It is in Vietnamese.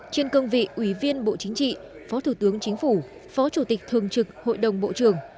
trên cương vị ủy viên bộ chính trị phó thủ tướng chính phủ phó chủ tịch thường trực hội đồng bộ trưởng